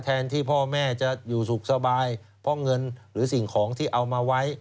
แทนที่พ่อแม่จะอยู่สุขสบายเพราะเงินหรือสิ่งของที่เอามาไว้